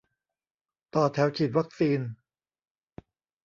ต่อแถวฉีดวัคซีน